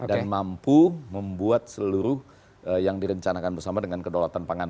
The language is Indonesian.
dan mampu membuat seluruh yang direncanakan bersama dengan kedaulatan pangan